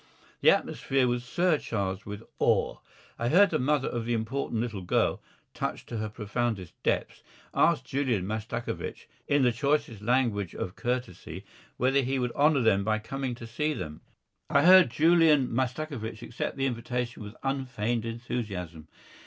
The atmosphere was surcharged with awe. I heard the mother of the important little girl, touched to her profoundest depths, ask Julian Mastakovich in the choicest language of courtesy, whether he would honour them by coming to see them. I heard Julian Mastakovich accept the invitation with unfeigned enthusiasm.